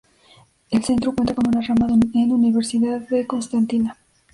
El centro cuenta con una rama en Universidad de Constantina.